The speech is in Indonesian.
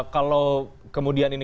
kalau kemudian ini